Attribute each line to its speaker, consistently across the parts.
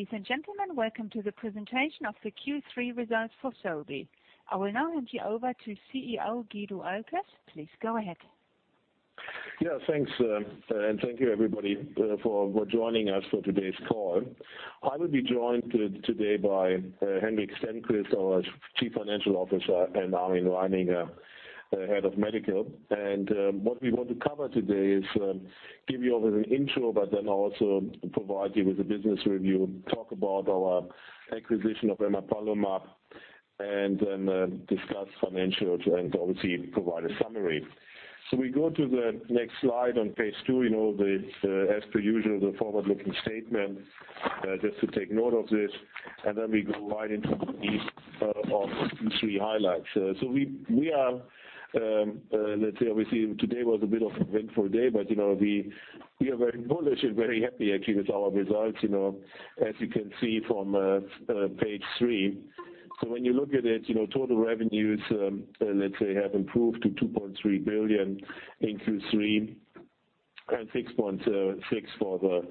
Speaker 1: Ladies and gentlemen, welcome to the presentation of the Q3 results for Sobi. I will now hand you over to CEO, Guido Oelkers. Please go ahead.
Speaker 2: Yes, thanks. Thank you everybody for joining us for today's call. I will be joined today by Henrik Stenqvist, our Chief Financial Officer, and Armin Reininger, Head of Medical. What we want to cover today is give you an intro, provide you with a business review, talk about our acquisition of emapalumab, discuss financial and obviously provide a summary. We go to the next slide on page two. As per usual, the forward-looking statement, just to take note of this, we go right into these Q3 highlights. Today was a bit of an eventful day, we are very bullish and very happy actually with our results, as you can see from page three. When you look at it, total revenues, let's say, have improved to 2.3 billion in Q3 and 6.6 billion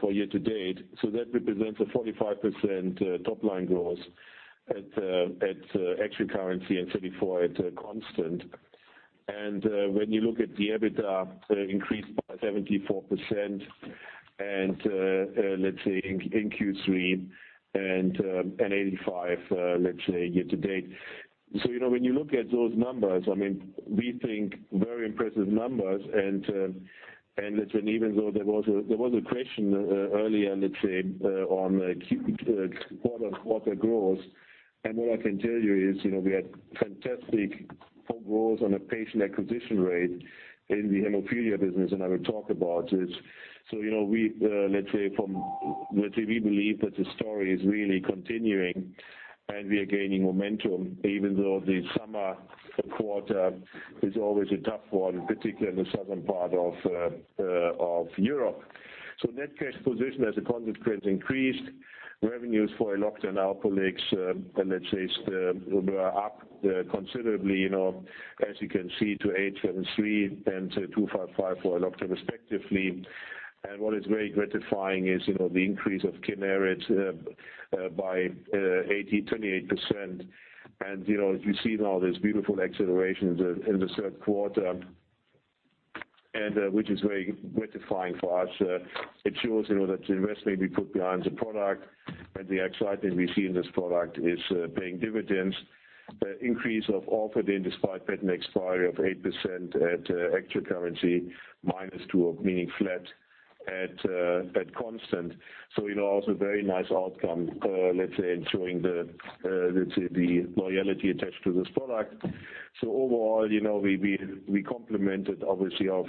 Speaker 2: for year to date. That represents a 45% top-line growth at actual currency and 34% at constant. When you look at the EBITDA increased by 74% in Q3 and an 85% year to date. When you look at those numbers, we think very impressive numbers and even though there was a question earlier on quarter growth. What I can tell you is, we had fantastic growth on a patient acquisition rate in the hemophilia business, and I will talk about this. We believe that the story is really continuing and we are gaining momentum even though the summer quarter is always a tough one, particularly in the southern part of Europe. Net cash position as a consequence increased. Revenues for Elocta, Alprolix were up considerably as you can see to 873 million and to 255 million for Elocta respectively. What is very gratifying is the increase of Kineret by 28%. As you see now, there's beautiful acceleration in the third quarter, which is very gratifying for us. It shows that the investment we put behind the product and the excitement we see in this product is paying dividends. Increase of Orfadin despite patent expiry of 8% at actual currency, -2% meaning flat at constant. Also very nice outcome, let's say, ensuring the loyalty attached to this product. Overall, we complemented obviously our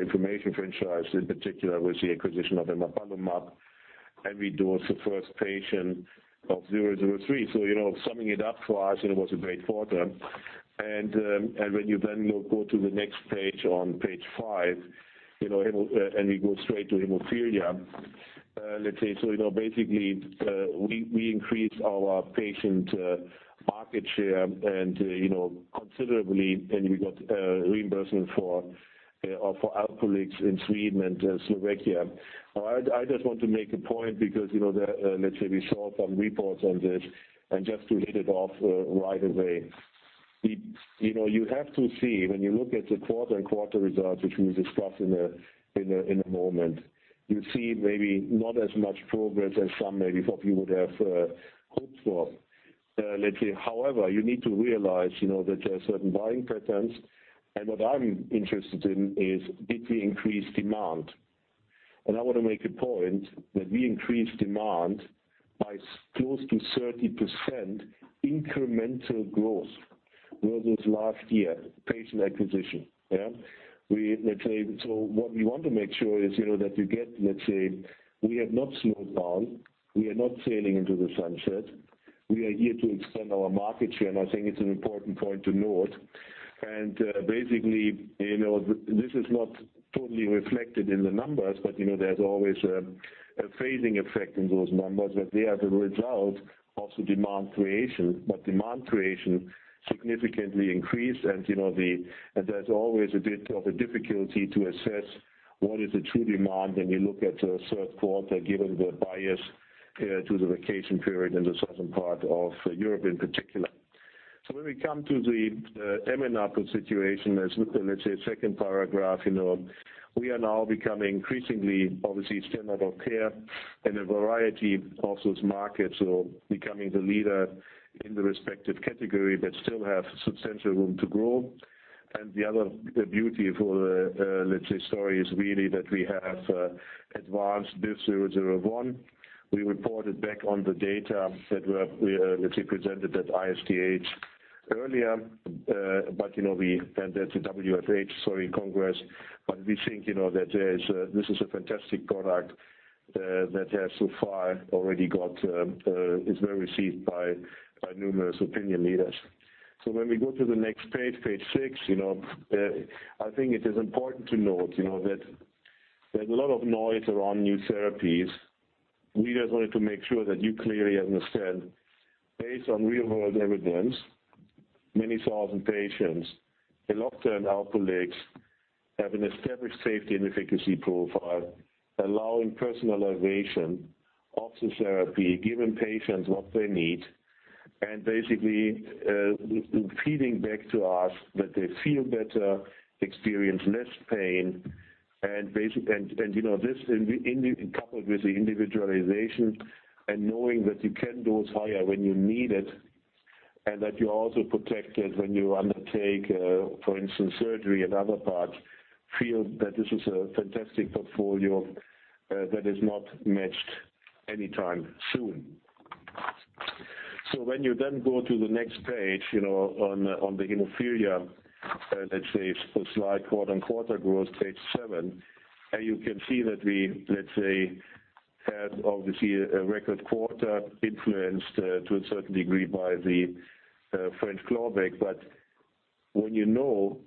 Speaker 2: inflammation franchise in particular with the acquisition of emapalumab. We dosed the first patient of SOBI003. Summing it up for us, it was a great quarter. When you then go to the next page, on page five, we go straight to hemophilia. Basically, we increased our patient market share considerably, and we got reimbursement for Alprolix in Sweden and Slovakia. I just want to make a point because we saw some reports on this and just to hit it off right away. You have to see when you look at the quarter-on-quarter results, which we will discuss in a moment. You see maybe not as much progress as some maybe of you would have hoped for. However, you need to realize that there are certain buying patterns and what I'm interested in is did we increase demand? I want to make a point that we increased demand by close to 30% incremental growth versus last year patient acquisition. What we want to make sure is that you get, let's say, we have not slowed down, we are not sailing into the sunset. We are here to extend our market share, I think it's an important point to note. Basically, this is not totally reflected in the numbers, but there's always a phasing effect in those numbers that they are the result of the demand creation. Demand creation significantly increased and there's always a bit of a difficulty to assess what is the true demand when you look at the third quarter, given the bias to the vacation period in the southern part of Europe in particular. When we come to the emapalumab situation, let's say second paragraph. We are now becoming increasingly, obviously standard of care in a variety of those markets or becoming the leader in the respective category, but still have substantial room to grow. The other beauty for the story is really that we have advanced BIVV001. We reported back on the data that we presented at ISTH earlier. We attended the WFH Congress. We think that this is a fantastic product that has so far already is well received by numerous opinion leaders. When we go to the next page six, I think it is important to note that there's a lot of noise around new therapies. We just wanted to make sure that you clearly understand, based on real-world evidence. Many thousand patients. Elocta and Alprolix have an established safety and efficacy profile, allowing personalization of the therapy, giving patients what they need, and basically, feeding back to us that they feel better, experience less pain. Coupled with the individualization and knowing that you can dose higher when you need it, and that you're also protected when you undertake, for instance, surgery and other parts, feel that this is a fantastic portfolio that is not matched anytime soon. When you then go to the next page, on the hemophilia, let's say, slide quarter-on-quarter growth, page seven. You can see that we, let's say, had obviously a record quarter influenced to a certain degree by the French clawback. When you look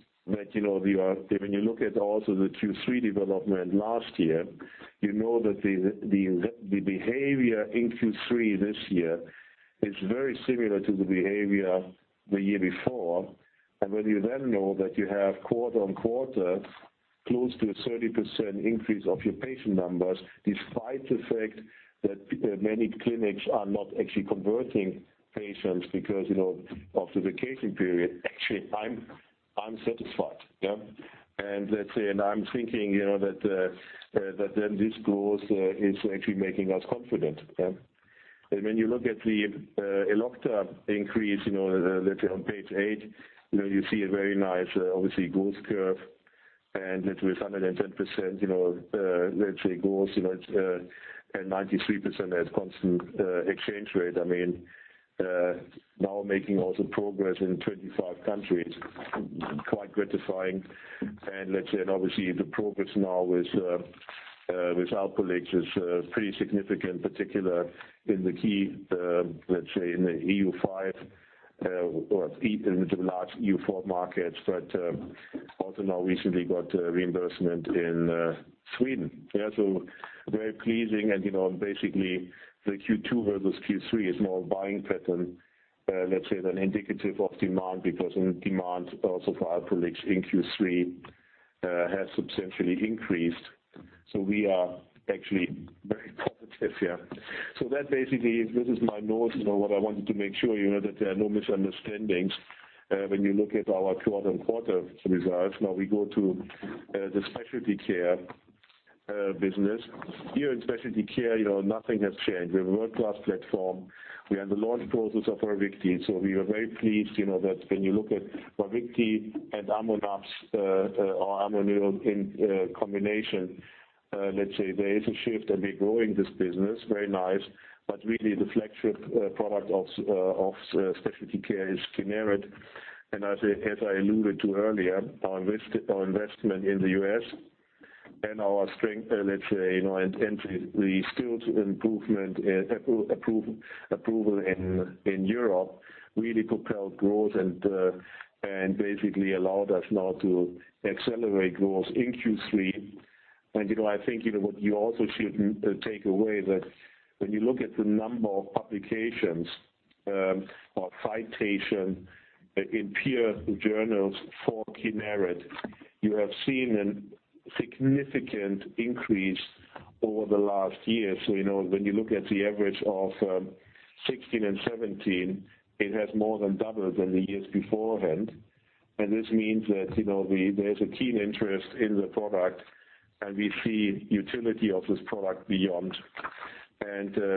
Speaker 2: at also the Q3 development last year, you know that the behavior in Q3 this year is very similar to the behavior the year before. When you then know that you have quarter-on-quarter close to a 30% increase of your patient numbers, despite the fact that many clinics are not actually converting patients because, of the vacation period, actually, I'm satisfied. I'm thinking that this growth is actually making us confident. When you look at the Elocta increase, let's say on page eight, you see a very nice, obviously growth curve and that with 110%, let's say growth and 93% at constant exchange rate. Making also progress in 25 countries. Quite gratifying. Obviously the progress now with Alprolix is pretty significant, particular in the key, let's say, in the EU 5 or in the large EU 4 markets, but also now recently got reimbursement in Sweden. Very pleasing and, basically the Q2 versus Q3 is more buying pattern, let's say, than indicative of demand because demand also for Alprolix in Q3 has substantially increased. We are actually very positive here. That basically, this is my notes, what I wanted to make sure that there are no misunderstandings when you look at our quarter-on-quarter results. We go to the specialty care business. Here in specialty care, nothing has changed. We have a world-class platform. We are in the launch process of Ravicti. We are very pleased, that when you look at Ravicti and Amgen or Amgen in combination, let's say there is a shift and we're growing this business very nice, but really the flagship product of specialty care is Kineret. As I alluded to earlier, our investment in the U.S. and our strength, let's say, and the still to approval in Europe really propelled growth and basically allowed us now to accelerate growth in Q3. I think what you also should take away that when you look at the number of publications or citation in peer journals for Kineret, you have seen a significant increase over the last year. When you look at the average of 2016 and 2017, it has more than doubled than the years beforehand. This means that there's a keen interest in the product, and we see utility of this product beyond.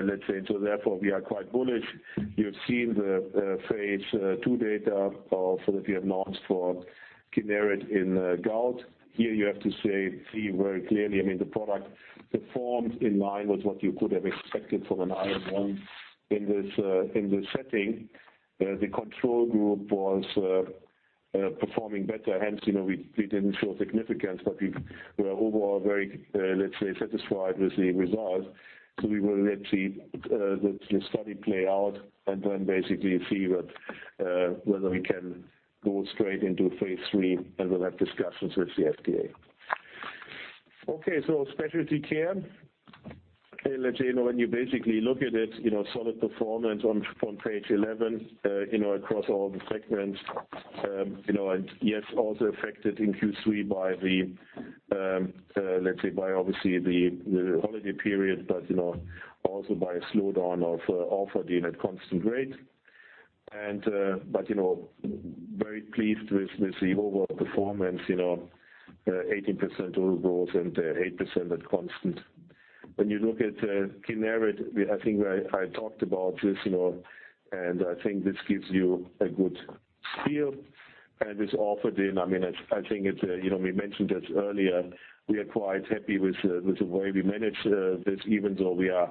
Speaker 2: Let's say, therefore we are quite bullish. You've seen the phase II data that we have launched for Kineret in gout. Here you have to say, see very clearly, the product performed in line with what you could have expected from an IL-1 in this setting. The control group was performing better. Hence, we didn't show significance, but we were overall very, let's say, satisfied with the result. We will let the study play out and then basically see whether we can go straight into phase III, and we'll have discussions with the FDA. Specialty care. Let's say, when you basically look at it, solid performance on page 11, across all the segments. Yes, also affected in Q3 by the, let's say by obviously the holiday period, but also by a slowdown of Orfadin at constant rate. Very pleased with the overall performance, 18% over growth and 8% at constant. When you look at Kineret, I think I talked about this, I think this gives you a good feel. With Orfadin, we mentioned this earlier, we are quite happy with the way we manage this, even though we are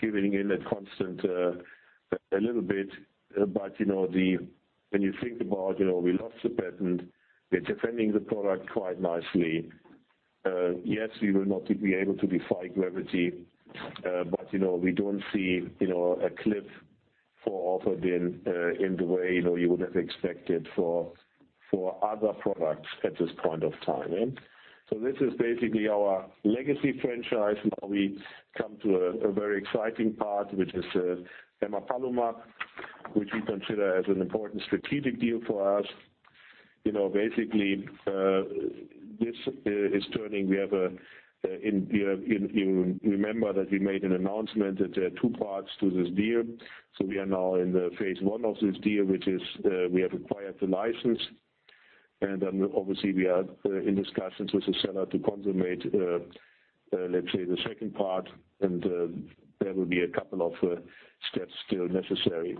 Speaker 2: giving in at constant a little bit. When you think about, we lost the patent. We're defending the product quite nicely. Yes, we will not be able to defy gravity. We don't see a cliff for Orfadin in the way you would have expected for other products at this point of time. This is basically our legacy franchise. Now we come to a very exciting part, which is emapalumab, which we consider as an important strategic deal for us. Basically, this is turning. You remember that we made an announcement that there are two parts to this deal, we are now in the phase I of this deal, which is, we have acquired the license, obviously we are in discussions with the seller to consummate, let's say the second part, there will be a couple of steps still necessary.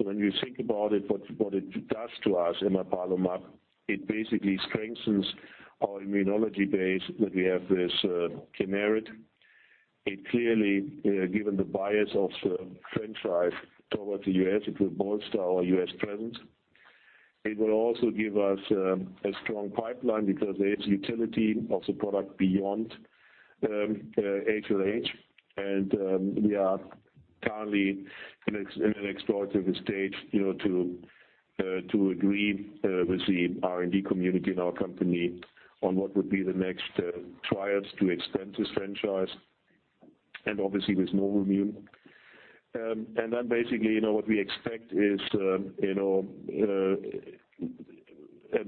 Speaker 2: When you think about it, what it does to us, emapalumab, it basically strengthens our immunology base that we have this Kineret. It clearly, given the bias of the franchise towards the U.S., it will bolster our U.S. presence. It will also give us a strong pipeline because there is utility of the product beyond HLH. We are currently in an explorative stage to agree with the R&D community in our company on what would be the next trials to extend this franchise and obviously with what we expect is an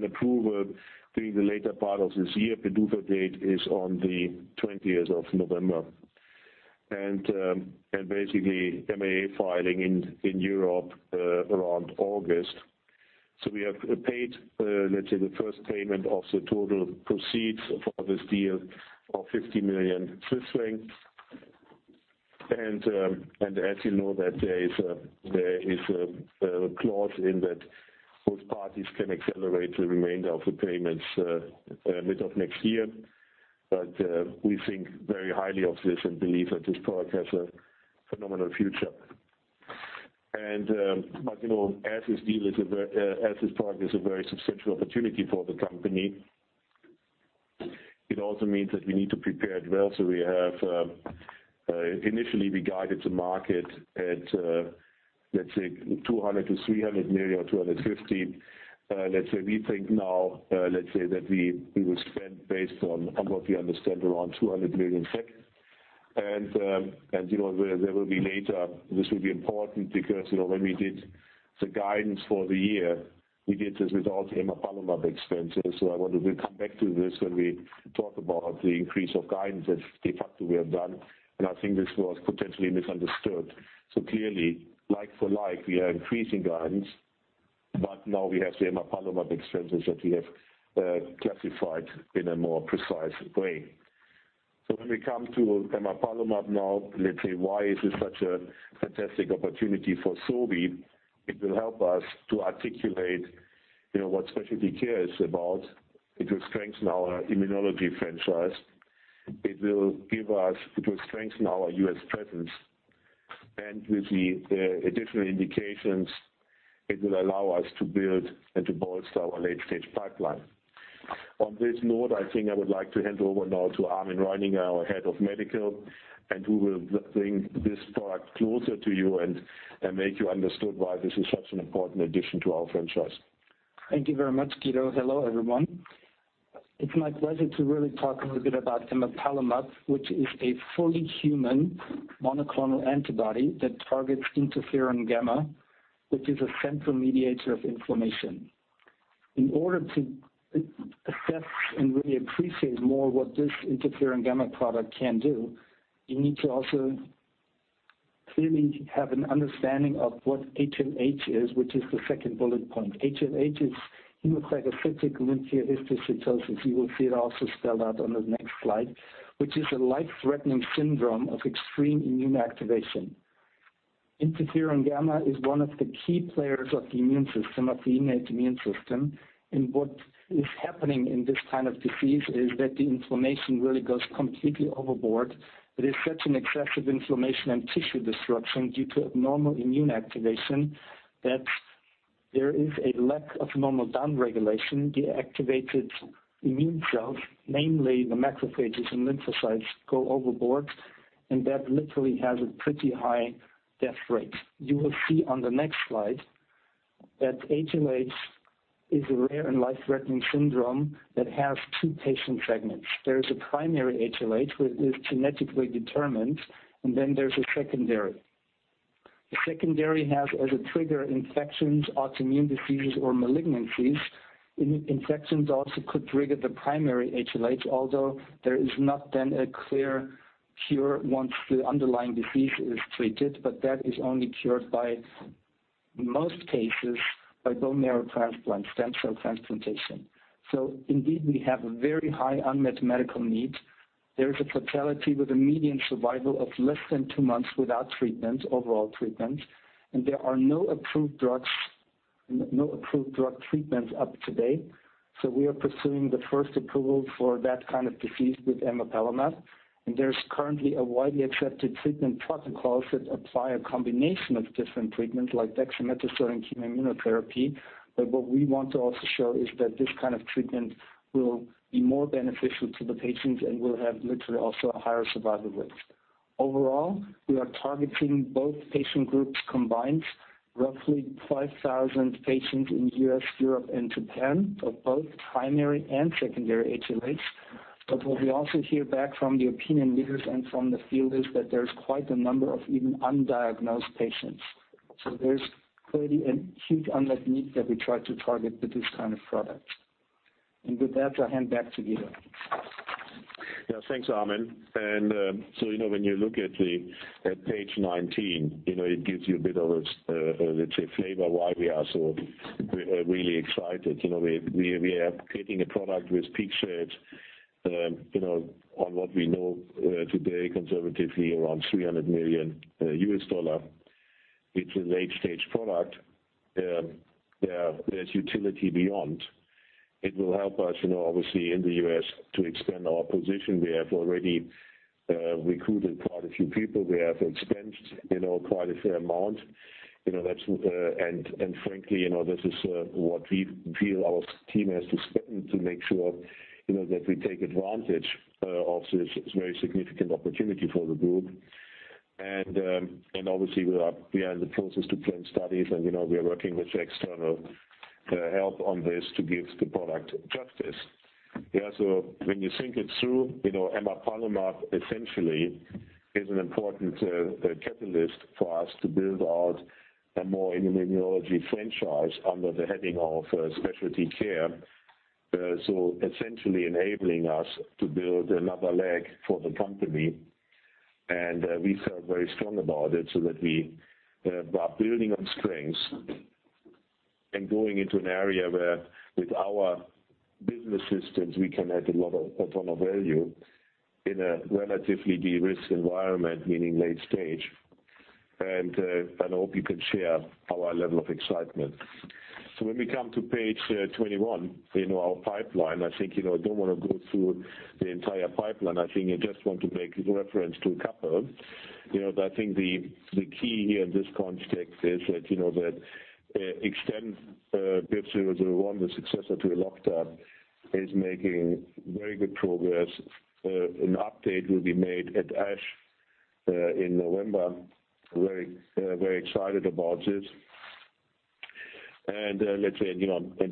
Speaker 2: approval during the later part of this year. PDUFA date is on the 20th of November. Basically, MAA filing in Europe around August. We have paid, let's say the first payment of the total proceeds for this deal of 50 million Swiss francs. As you know, that there is a clause in that both parties can accelerate the remainder of the payments mid of next year. We think very highly of this and believe that this product has a phenomenal future. As this deal is as this product is a very substantial opportunity for the company, it also means that we need to prepare it well. We have, initially, we guided the market at, let's say 200 million to 300 million, 250. We think now, that we will spend based on what we understand around 200 million. There will be later, this will be important because when we did the guidance for the year, we did this without emapalumab expenses. I wanted to come back to this when we talk about the increase of guidance that de facto we have done, I think this was potentially misunderstood. Clearly, like for like, we are increasing guidance, now we have the emapalumab expenses that we have classified in a more precise way. When we come to emapalumab now, why is this such a fantastic opportunity for Sobi? It will help us to articulate what specialty care is about. It will strengthen our immunology franchise. It will strengthen our U.S. presence. With the additional indications, it will allow us to build and to bolster our late-stage pipeline. On this note, I think I would like to hand over now to Armin Reininger, our Head of Medical, who will bring this product closer to you and make you understood why this is such an important addition to our franchise.
Speaker 3: Thank you very much, Guido. Hello, everyone. It's my pleasure to really talk a little bit about emapalumab, which is a fully human monoclonal antibody that targets interferon gamma, which is a central mediator of inflammation. In order to assess and really appreciate more what this interferon gamma product can do, you need to also clearly have an understanding of what HLH is, which is the second bullet point. HLH is hemophagocytic lymphohistiocytosis. You will see it also spelled out on the next slide, which is a life-threatening syndrome of extreme immune activation. Interferon gamma is one of the key players of the immune system, of the innate immune system, what is happening in this kind of disease is that the inflammation really goes completely overboard. It is such an excessive inflammation and tissue disruption due to abnormal immune activation that there is a lack of normal downregulation. Deactivated immune cells, mainly the macrophages and lymphocytes, go overboard, that literally has a pretty high death rate. You will see on the next slide that HLH is a rare and life-threatening syndrome that has two patient segments. There is a primary HLH, which is genetically determined, then there's a secondary. The secondary has, as a trigger, infections, autoimmune diseases, or malignancies. Infections also could trigger the primary HLH, although there is not then a clear cure once the underlying disease is treated, but that is only cured by most cases, by bone marrow transplant, stem cell transplantation. Indeed, we have a very high unmet medical need. There is a fatality with a median survival of less than two months without treatment, overall treatment, there are no approved drug treatments up to date. We are pursuing the first approval for that kind of disease with emapalumab, there's currently a widely accepted treatment protocol that apply a combination of different treatments like dexamethasone and chemotherapy. What we want to also show is that this kind of treatment will be more beneficial to the patients and will have literally also a higher survival rate. Overall, we are targeting both patient groups combined, roughly 5,000 patients in the U.S., Europe, and Japan of both primary and secondary HLHs. What we also hear back from the opinion leaders and from the field is that there's quite a number of even undiagnosed patients. There's clearly a huge unmet need that we try to target with this kind of product. With that, I hand back to Guido.
Speaker 2: Thanks, Armin. When you look at page 19, it gives you a bit of a, let's say, flavor why we are so really excited. We are creating a product with peak sales, on what we know today, conservatively around $300 million. It's a late-stage product. There's utility beyond. It will help us, obviously, in the U.S. to expand our position. We have already recruited quite a few people. We have expensed quite a fair amount. Frankly, this is what we feel our team has to spend to make sure that we take advantage of this very significant opportunity for the group. Obviously, we are in the process to plan studies, and we are working with external help on this to give the product justice. When you think it through, emapalumab essentially is an important catalyst for us to build out a more immunology franchise under the heading of specialty care. Essentially enabling us to build another leg for the company, and we feel very strong about it so that we are building on strengths and going into an area where with our business systems, we can add a ton of value in a relatively de-risked environment, meaning late stage. I hope you can share our level of excitement. When we come to page 21, our pipeline, I don't want to go through the entire pipeline. I just want to make reference to a couple. I think the key here in this context is that XTEND BIVV001, the successor to Elocta, is making very good progress. An update will be made at ASH in November. Very excited about this. Let's say, you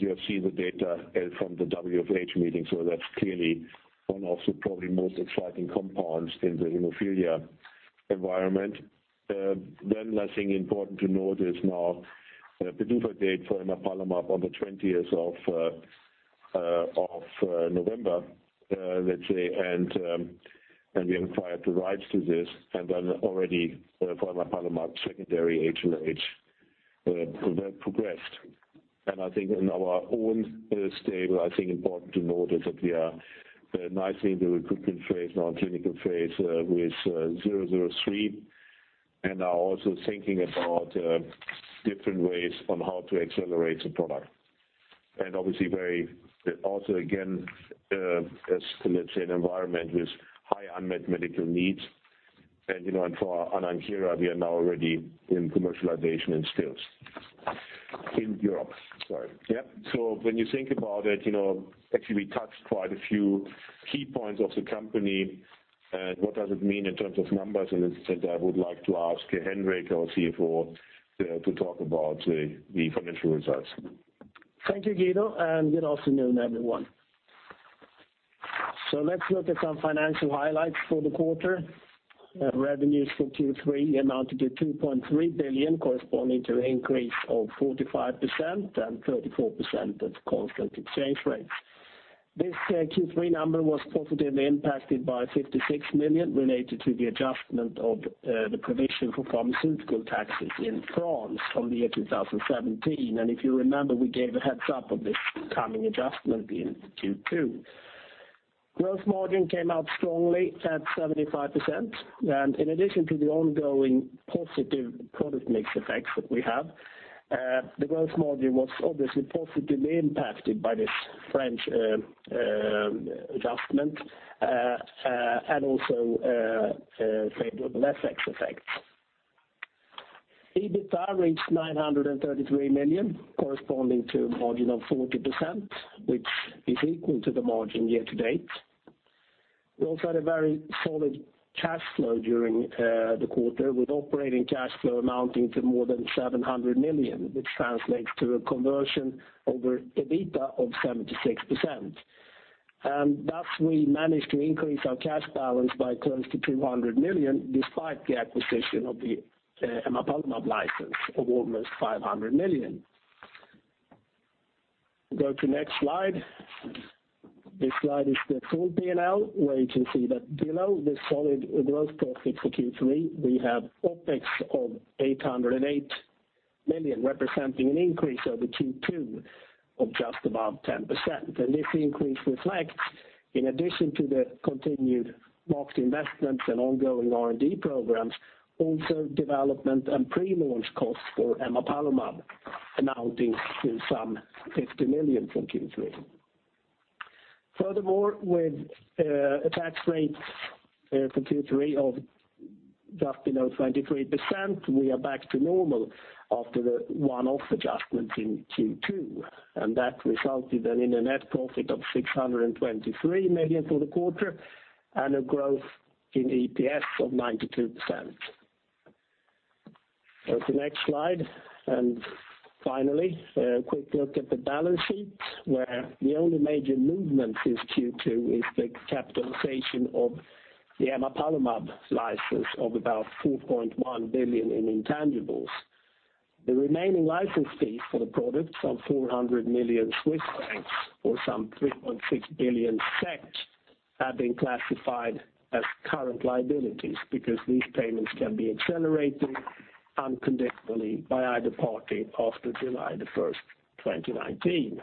Speaker 2: have seen the data from the WFH meeting, that's clearly one of the probably most exciting compounds in the hemophilia environment. I think important to note is now the PDUFA date for emapalumab on the 20th of November, let's say. We acquired the rights to this, already for emapalumab secondary HLH progressed. I think in our own stable, I think important to note is that we are nicely in the recruitment phase, non-clinical phase with SOBI003, and are also thinking about different ways on how to accelerate the product. Obviously very, also again, as let's say an environment with high unmet medical needs. For anakinra, we are now already in commercialization in Still's. In Europe, sorry. When you think about it, actually we touched quite a few key points of the company. What does it mean in terms of numbers? Instead, I would like to ask Henrik, our CFO, to talk about the financial results.
Speaker 4: Thank you, Guido, and good afternoon, everyone. Let's look at some financial highlights for the quarter. Revenues for Q3 amounted to 2.3 billion, corresponding to an increase of 45% and 34% at constant exchange rates. This Q3 number was positively impacted by 56 million related to the adjustment of the provision for pharmaceutical taxes in France from the year 2017. If you remember, we gave a heads-up of this coming adjustment in Q2. Gross margin came out strongly at 75%. In addition to the ongoing positive product mix effects that we have, the gross margin was obviously positively impacted by this French adjustment and also favorable FX effects. EBITA reached 933 million, corresponding to a margin of 40%, which is equal to the margin year to date. We also had a very solid cash flow during the quarter, with operating cash flow amounting to more than 700 million, which translates to a conversion over EBITA of 76%. Thus, we managed to increase our cash balance by close to 200 million, despite the acquisition of the emapalumab license of almost 500 million. Go to next slide. This slide is the full P&L, where you can see that below the solid gross profit for Q3, we have OpEx of 808 million, representing an increase over Q2 of just above 10%. This increase reflects, in addition to the continued market investments and ongoing R&D programs, also development and pre-launch costs for emapalumab, amounting to some 50 million for Q3. Furthermore, with a tax rate for Q3 of just below 23%, we are back to normal after the one-off adjustments in Q2, and that resulted in a net profit of 623 million for the quarter and a growth in EPS of 92%. Go to next slide. Finally, a quick look at the balance sheet where the only major movement since Q2 is the capitalization of the emapalumab license of about 4.1 billion in intangibles. The remaining license fees for the product, some 400 million Swiss francs or some 3.6 billion SEK, have been classified as current liabilities because these payments can be accelerated unconditionally by either party after July 1st, 2019.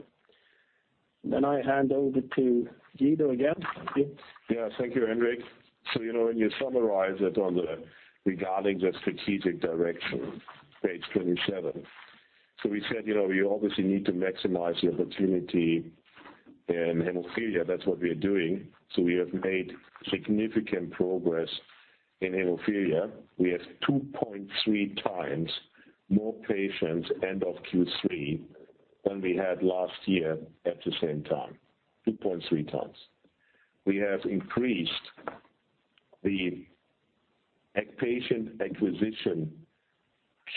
Speaker 4: I hand over to Guido again. Thank you.
Speaker 2: Thank you, Henrik. When you summarize it on the regarding the strategic direction, page 27. We said, we obviously need to maximize the opportunity in hemophilia. That's what we are doing. We have made significant progress in hemophilia. We have 2.3 times more patients end of Q3 than we had last year at the same time, 2.3 times. We have increased the patient acquisition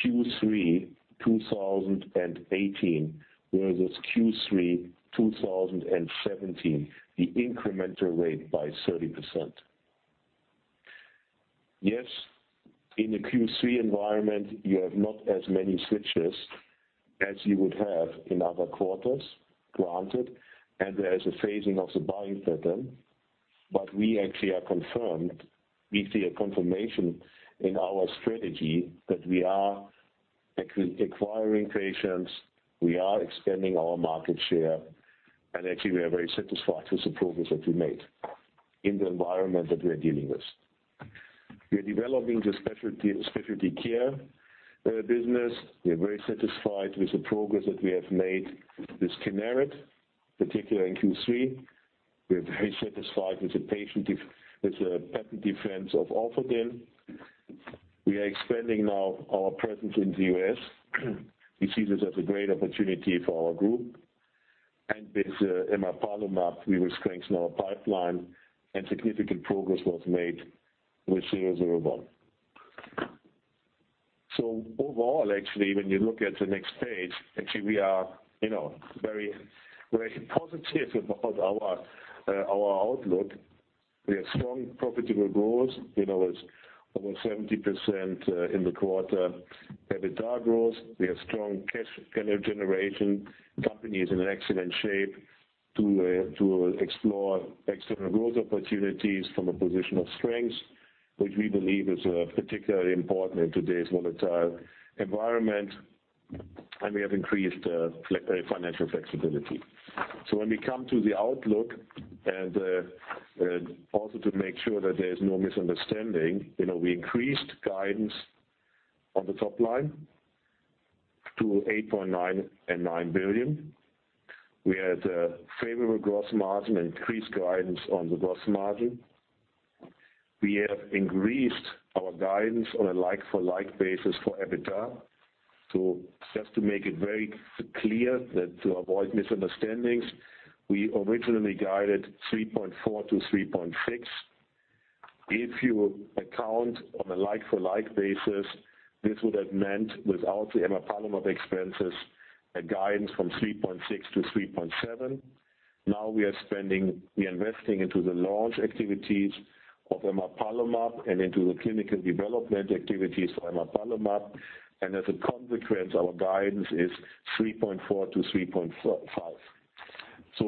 Speaker 2: Q3 2018 versus Q3 2017, the incremental rate by 30%. In the Q3 environment, you have not as many switches as you would have in other quarters, granted, and there is a phasing of the buying pattern, but we actually are confirmed. We see a confirmation in our strategy that we are acquiring patients, we are expanding our market share, and actually we are very satisfied with the progress that we made in the environment that we are dealing with. We are developing the specialty care business. We are very satisfied with the progress that we have made with Kineret, particularly in Q3. We are very satisfied with the patent defense of Orfadin. We are expanding now our presence in the U.S. We see this as a great opportunity for our group. With emapalumab, we will strengthen our pipeline and significant progress was made with 001. Overall, actually, when you look at the next page, we are very positive about our outlook. We have strong profitable growth. It is over 70% in the quarter EBITDA growth. We have strong cash flow generation. Company is in excellent shape to explore external growth opportunities from a position of strength, which we believe is particularly important in today's volatile environment. We have increased financial flexibility. When we come to the outlook and also to make sure that there is no misunderstanding, we increased guidance on the top line to 8.9 billion and 9 billion. We had a favorable gross margin, increased guidance on the gross margin. We have increased our guidance on a like-for-like basis for EBITDA. Just to make it very clear that to avoid misunderstandings, we originally guided 3.4 billion-3.6 billion. If you account on a like-for-like basis, this would have meant without the emapalumab expenses, a guidance from 3.6 billion-3.7 billion. We are investing into the launch activities of emapalumab and into the clinical development activities for emapalumab. As a consequence, our guidance is 3.4 billion-3.5 billion.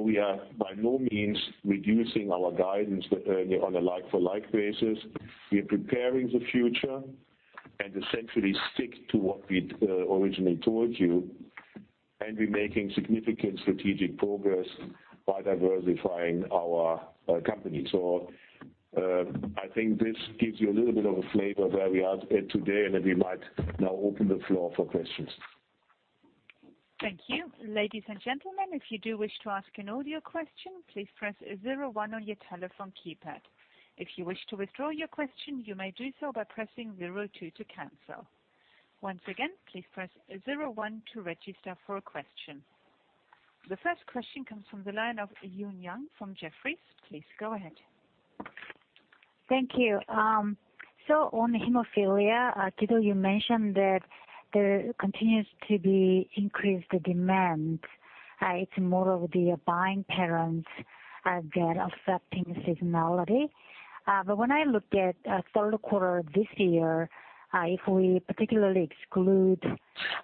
Speaker 2: We are by no means reducing our guidance on a like-for-like basis. We are preparing the future essentially stick to what we had originally told you, we are making significant strategic progress by diversifying our company. I think this gives you a little bit of a flavor of where we are at today, then we might now open the floor for questions.
Speaker 1: Thank you. Ladies and gentlemen, if you do wish to ask an audio question, please press 01 on your telephone keypad. If you wish to withdraw your question, you may do so by pressing 02 to cancel. Once again, please press 01 to register for a question. The first question comes from the line of Yoon Yang from Jefferies. Please go ahead.
Speaker 5: Thank you. On hemophilia, Guido, you mentioned that there continues to be increased demand. It is more of the buying patterns that are affecting seasonality. When I looked at third quarter this year, if we particularly exclude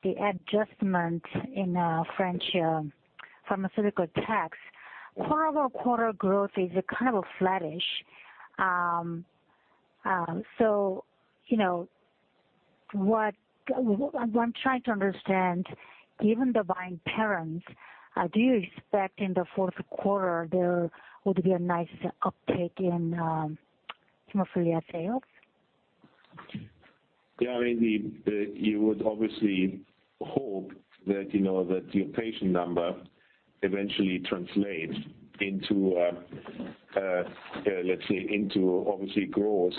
Speaker 5: the adjustment in French pharmaceutical tax, quarter-over-quarter growth is kind of flat-ish. What I am trying to understand, given the buying patterns, do you expect in the fourth quarter there would be a nice uptick in hemophilia sales?
Speaker 2: You would obviously hope that your patient number eventually translates into, let's say, obviously growth,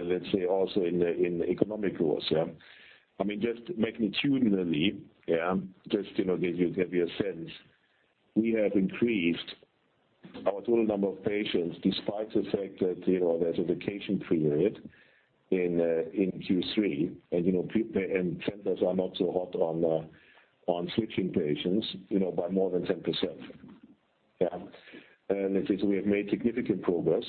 Speaker 2: let's say, also in economic growth. Just magnitudinally, just to give you a sense, we have increased our total number of patients despite the fact that there is a vacation period in Q3, and centers are not so hot on switching patients, by more than 10%. We have made significant progress,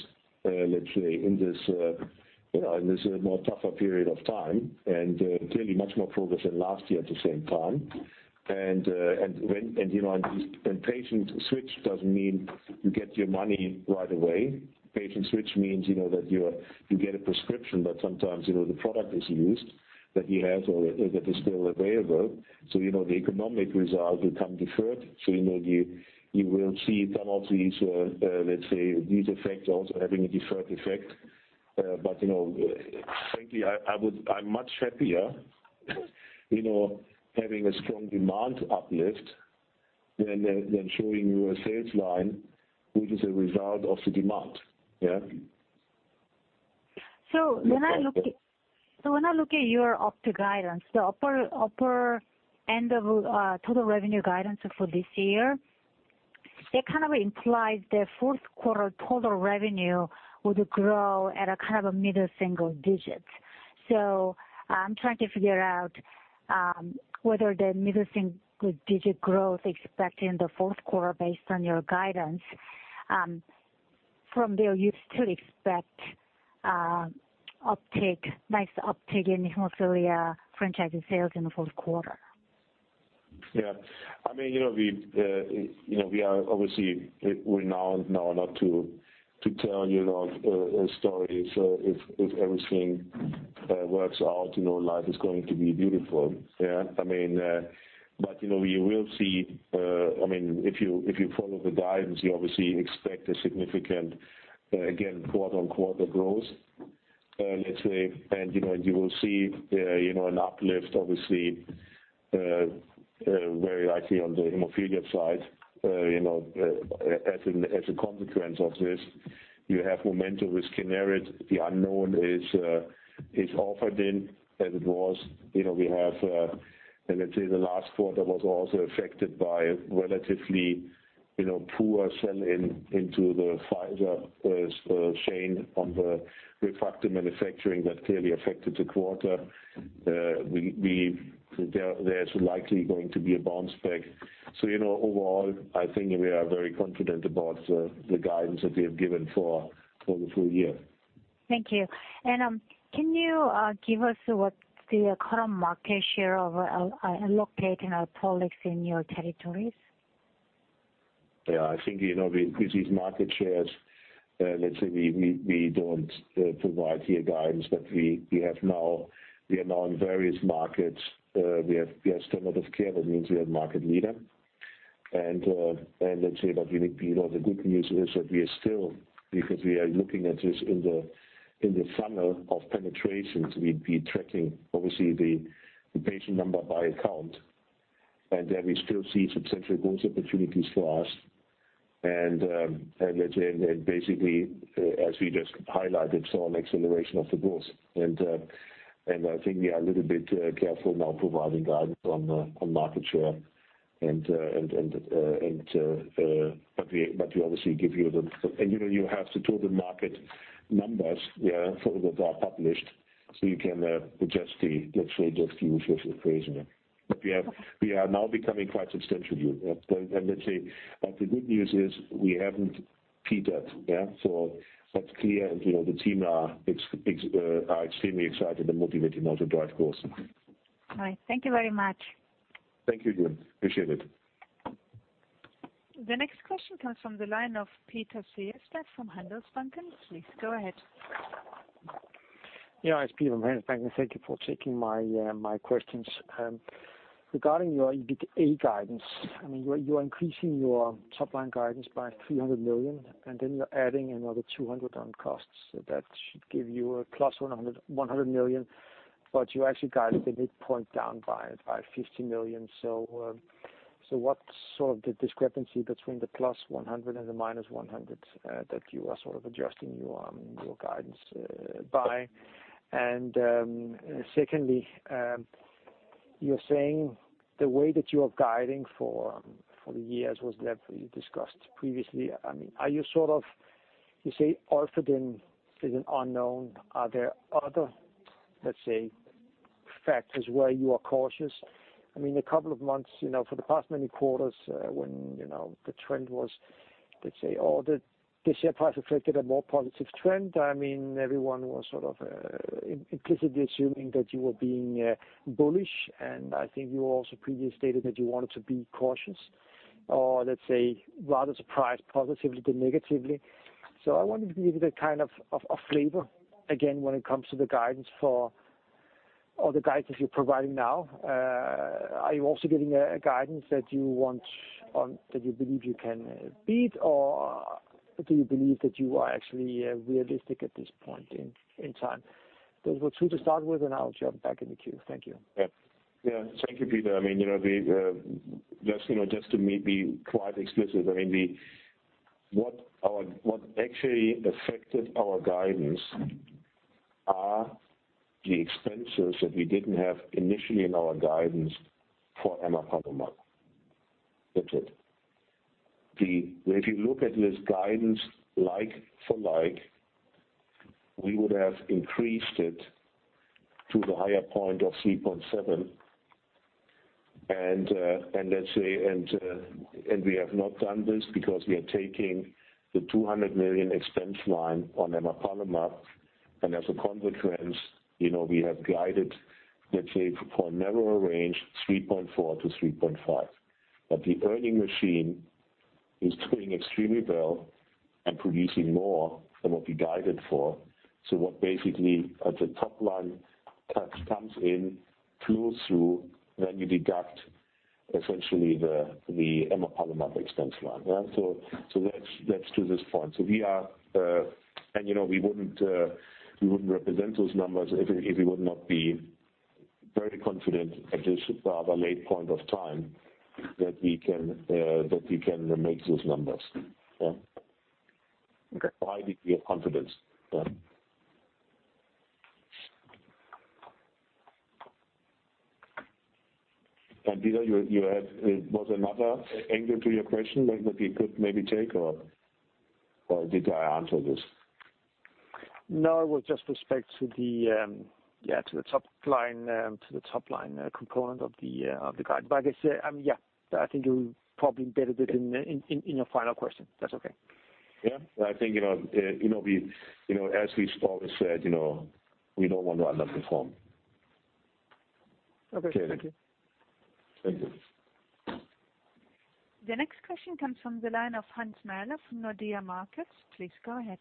Speaker 2: let's say, in this more tougher period of time, and clearly much more progress than last year at the same time. Patient switch does not mean you get your money right away. Patient switch means that you get a prescription, but sometimes the product is used that you have or that is still available. The economic results will come deferred. You will see some of these, let's say, these effects also having a deferred effect. Frankly, I am much happier having a strong demand uplift than showing you a sales line, which is a result of the demand.
Speaker 5: When I look at your outlook guidance, the upper end of total revenue guidance for this year, that kind of implies the fourth quarter total revenue would grow at a kind of a middle single digits. I am trying to figure out whether the middle single digit growth expected in the fourth quarter based on your guidance, from there you still expect nice uptick in hemophilia franchise sales in the fourth quarter.
Speaker 2: Obviously, we're known not to tell stories if everything works out, life is going to be beautiful. Yeah. You will see, if you follow the guidance, you obviously expect a significant, again, quarter-on-quarter growth, let's say. You will see an uplift, obviously, very likely on the hemophilia side as a consequence of this. You have momentum with Kineret. The unknown is Orfadin as it was. We have, let's say, the last quarter was also affected by relatively poor sell-in into the Pfizer chain on the ReFacto manufacturing that clearly affected the quarter. There's likely going to be a bounce back. Overall, I think we are very confident about the guidance that we have given for the full year.
Speaker 5: Thank you. Can you give us what the current market share of Elocta and Alprolix in your territories?
Speaker 2: I think with these market shares, let's say, we don't provide here guidance, we are now in various markets. We have standard of care, that means we are market leader. Let's say, that the good news is that we are still, because we are looking at this in the funnel of penetrations, we'd be tracking obviously the patient number by account, then we still see substantial growth opportunities for us. Let's say, basically, as we just highlighted, saw an acceleration of the growth. I think we are a little bit careful now providing guidance on market share, we obviously give you the-- you have the total market numbers that are published, so you can literally just use your equation there. We are now becoming quite substantially. Let's say, the good news is we haven't peaked that. Yeah. That's clear, the team are extremely excited and motivated now to drive growth.
Speaker 5: All right. Thank you very much.
Speaker 2: Thank you, Yoon. Appreciate it.
Speaker 1: The next question comes from the line of Peter Sejersted from Handelsbanken. Please go ahead.
Speaker 6: Yeah, it's Peter from Handelsbanken. Thank you for taking my questions. Regarding your EBITDA guidance, you are increasing your top-line guidance by 300 million, then you're adding another 200 million on costs. That should give you a +100 million, but you actually guided the midpoint down by 50 million. What's sort of the discrepancy between the +100 million and the -100 million that you are sort of adjusting your guidance by? Secondly, you're saying the way that you are guiding for the years was that you discussed previously. You say Orfadin is an unknown. Are there other, let's say, factors where you are cautious? A couple of months, for the past many quarters when the trend was, let's say, the share price reflected a more positive trend. Everyone was sort of implicitly assuming that you were being bullish, and I think you also previously stated that you wanted to be cautious, or let's say, rather surprised positively than negatively. I wanted to give you the kind of flavor again when it comes to the guidance for the guidance you're providing now. Are you also getting a guidance that you believe you can beat, or do you believe that you are actually realistic at this point in time? Those were two to start with, and I'll jump back in the queue. Thank you.
Speaker 2: Yeah. Thank you, Peter Sejersted. Just to be quite explicit, what actually affected our guidance are the expenses that we didn't have initially in our guidance for emapalumab. That's it. If you look at this guidance like for like, we would have increased it to the higher point of 3.7 billion. We have not done this because we are taking the 200 million expense line on emapalumab, and as a consequence, we have guided, let's say, for a narrower range, 3.4 billion-3.5 billion. The earning machine is doing extremely well and producing more than what we guided for. What basically at the top line comes in, flows through, then you deduct essentially the emapalumab expense line. That's to this point. We wouldn't represent those numbers if we would not be very confident at this rather late point of time that we can make those numbers. Yeah.
Speaker 6: Okay.
Speaker 2: A high degree of confidence. Yeah. Peter Sejersted, was another angle to your question that we could maybe take, or did I answer this?
Speaker 6: No, it was just with respect to the top line component of the guide. Like I said, yeah, I think you probably embedded it in your final question, if that's okay.
Speaker 2: Yeah. I think as we've always said, we don't want to underperform.
Speaker 6: Okay. Thank you.
Speaker 2: Thank you.
Speaker 1: The next question comes from the line of Hans Maella from Nordea Markets. Please go ahead.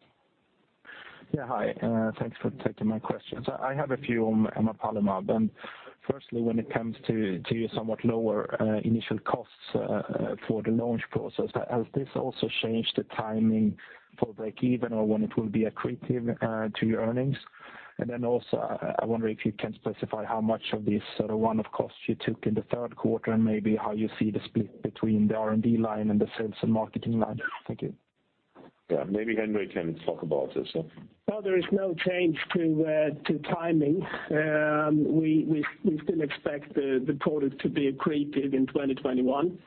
Speaker 7: Yeah. Hi. Thanks for taking my questions. I have a few on emapalumab. Firstly, when it comes to your somewhat lower initial costs for the launch process, has this also changed the timing for break even or when it will be accretive to your earnings? Also, I wonder if you can specify how much of this sort of one-off cost you took in the third quarter, and maybe how you see the split between the R&D line and the sales and marketing line. Thank you.
Speaker 2: Yeah. Maybe Henrik can talk about this.
Speaker 4: Well, there is no change to timing. We still expect the product to be accretive in 2021.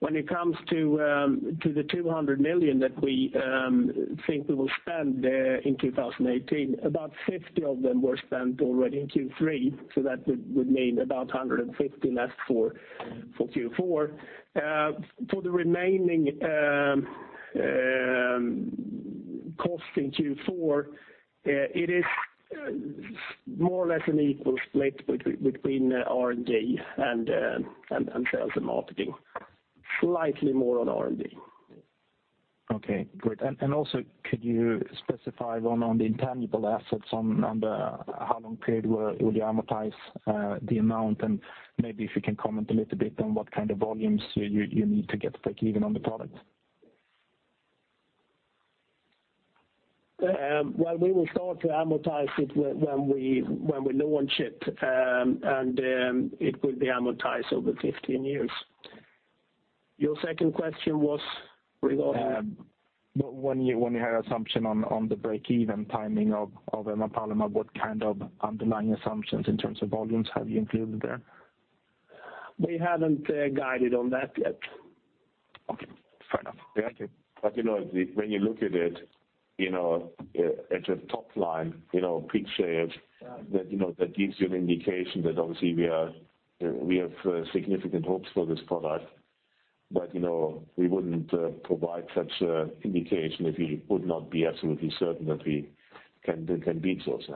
Speaker 4: When it comes to the 200 million that we think we will spend in 2018, about 50 of them were spent already in Q3, so that would mean about 150 left for Q4. For the remaining cost in Q4, it is more or less an equal split between R&D and sales and marketing. Slightly more on R&D.
Speaker 7: Okay, great. Also, could you specify one on the intangible assets on the how long period will you amortize the amount? Maybe if you can comment a little bit on what kind of volumes you need to get to break even on the product.
Speaker 4: Well, we will start to amortize it when we launch it, and it will be amortized over 15 years. Your second question was regarding?
Speaker 7: When you had assumption on the break-even timing of emapalumab, what kind of underlying assumptions in terms of volumes have you included there?
Speaker 4: We haven't guided on that yet.
Speaker 7: Okay. Fair enough. Thank you.
Speaker 2: When you look at it, at the top line, peak sales, that gives you an indication that obviously we have significant hopes for this product. We wouldn't provide such an indication if we would not be absolutely certain that we can beat those.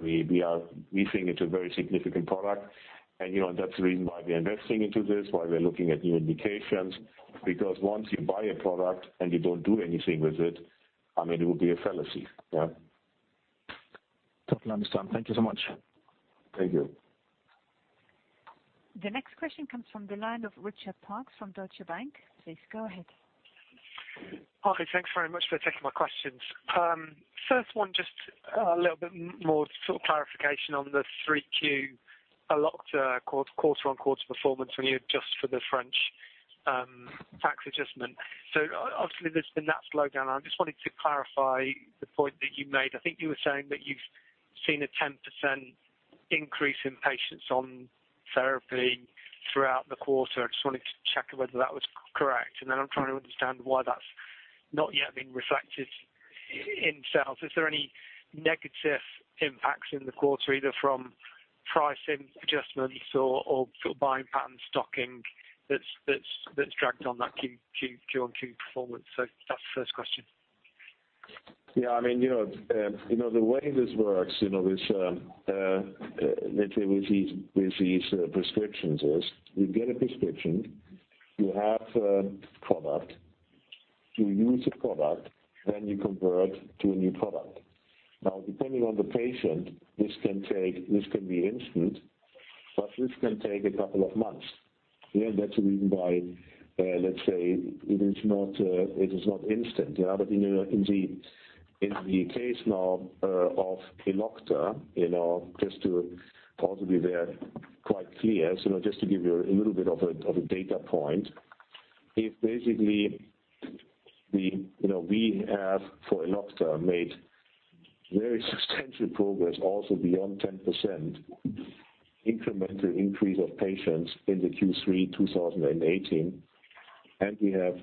Speaker 2: We think it's a very significant product, and that's the reason why we're investing into this, why we're looking at new indications. Once you buy a product and you don't do anything with it would be a fallacy. Yeah.
Speaker 7: Totally understand. Thank you so much.
Speaker 2: Thank you.
Speaker 1: The next question comes from the line of Richard Parkes from Deutsche Bank. Please go ahead.
Speaker 8: Hi. Thanks very much for taking my questions. First one, just a little bit more sort of clarification on the 3Q quarter-on-quarter performance when you adjust for the French tax adjustment. Obviously, there's been that slowdown. I just wanted to clarify the point that you made. I think you were saying that you've seen a 10% increase in patients on therapy throughout the quarter. I just wanted to check whether that was correct. I'm trying to understand why that's not yet been reflected in sales. Is there any negative impacts in the quarter, either from pricing adjustments or buying pattern stocking that's dragged on that Q-on-Q performance? That's the first question.
Speaker 2: Yeah. The way this works with these prescriptions is you get a prescription, you have product to use a product, then you convert to a new product. Now, depending on the patient, this can be instant, but this can take a couple of months. That's the reason why, let's say it is not instant. In the case now of Elocta, just to possibly there quite clear. Just to give you a little bit of a data point. If basically we have, for Elocta, made very substantial progress also beyond 10% incremental increase of patients in the Q3 2018, and we have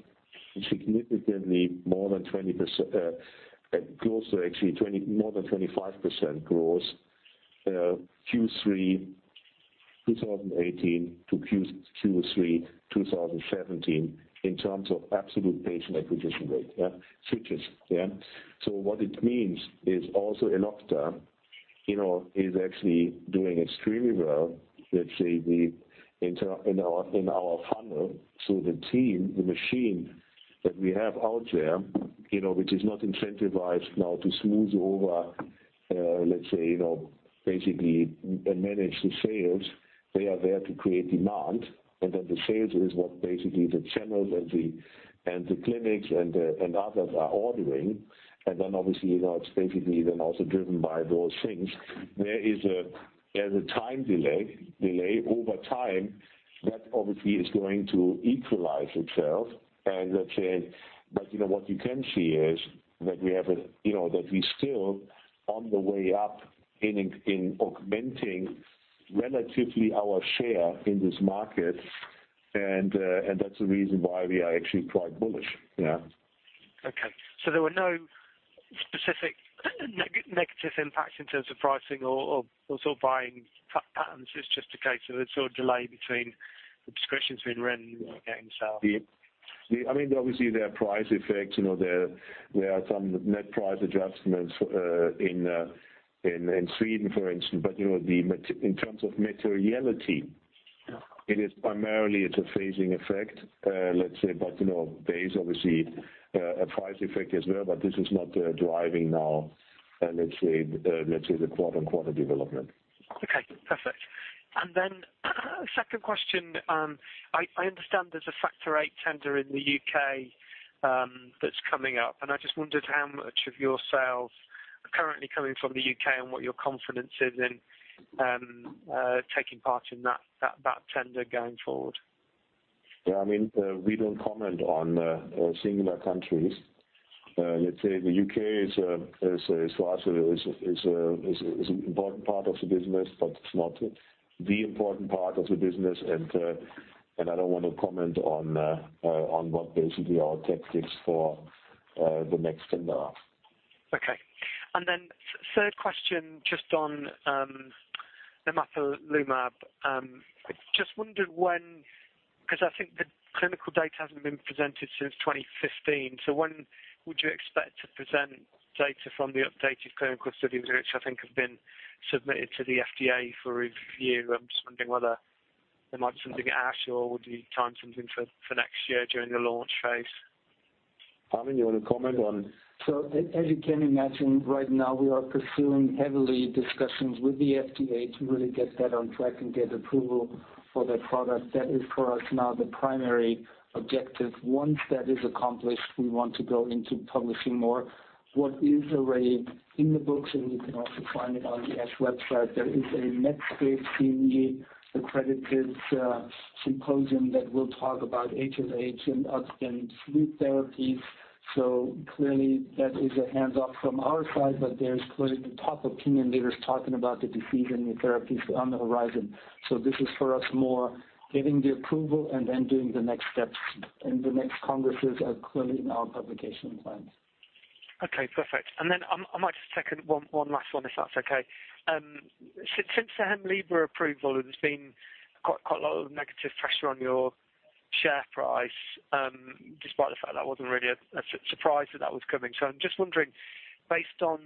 Speaker 2: significantly more than 20% growth, actually more than 25% growth, Q3 2018 to Q3 2017 in terms of absolute patient acquisition rate. Switches. What it means is also Elocta is actually doing extremely well. Let's say we enter in our funnel. The team, the machine that we have out there, which is not incentivized now to smooth over, let's say, basically manage the sales. They are there to create demand. The sales is what basically the channels and the clinics and others are ordering. Obviously, it's basically then also driven by those things. There is a time delay over time that obviously is going to equalize itself. What you can see is that we still on the way up in augmenting relatively our share in this market. That's the reason why we are actually quite bullish.
Speaker 8: Okay. There were no specific negative impacts in terms of pricing or buying patterns. It's just a case of a sort of delay between the prescriptions being written and getting sold.
Speaker 2: I mean, obviously, there are price effects. There are some net price adjustments in Sweden, for instance. In terms of materiality, it is primarily it's a phasing effect. Let's say, there is obviously a price effect as well, but this is not driving now, let's say, the quarter-on-quarter development.
Speaker 8: Okay, perfect. Second question. I understand there's a factor VIII tender in the U.K. that's coming up, I just wondered how much of your sales are currently coming from the U.K. and what your confidence is in taking part in that tender going forward.
Speaker 2: Yeah, we don't comment on singular countries. Let's say the U.K. is for us an important part of the business, but it's not the important part of the business. I don't want to comment on what basically our tactics for the next tender are.
Speaker 8: Okay. Third question just on emapalumab. Just wondered when, because I think the clinical data hasn't been presented since 2015. When would you expect to present data from the updated clinical studies, which I think have been submitted to the FDA for review? I'm just wondering whether there might be something at ASH, or would you time something for next year during the launch phase?
Speaker 2: Armin, you want to comment on?
Speaker 3: As you can imagine, right now, we are pursuing heavily discussions with the FDA to really get that on track and get approval for that product. That is for us now the primary objective. Once that is accomplished, we want to go into publishing more what is already in the books, and you can also find it on the ASH website. There is a Medscape CME accredited symposium that will talk about HLH and other [fluke] therapies. Clearly that is a hands off from our side. There's clearly the top opinion leaders talking about the disease and new therapies on the horizon. This is for us more getting the approval and then doing the next steps. The next congresses are clearly in our publication plans.
Speaker 8: Okay, perfect. Then I might just second one last one, if that's okay. Since the Hemlibra approval, there's been quite a lot of negative pressure on your share price. Despite the fact that wasn't really a surprise that that was coming. I'm just wondering, based on